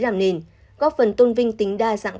làm nền góp phần tôn vinh tính đa dạng